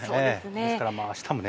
ですから明日も